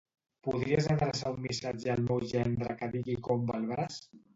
Podries adreçar un missatge al meu gendre que digui com va el braç?